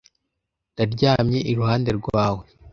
ndaryamye iruhande rwawe